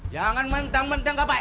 jangan mentang mentang pak